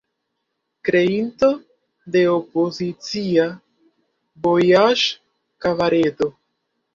Kreinto de opozicia vojaĝ-kabaredo.